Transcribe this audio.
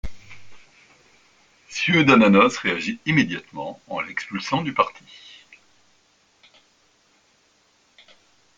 Ciudadanos réagit immédiatement en l'expulsant du parti.